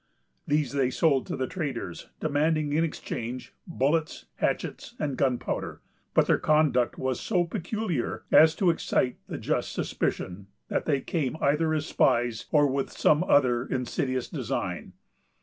These they sold to the traders, demanding, in exchange, bullets, hatchets, and gunpowder; but their conduct was so peculiar as to excite the just suspicion that they came either as spies or with some other insidious design.